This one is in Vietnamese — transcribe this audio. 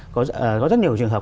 có rất nhiều trường hợp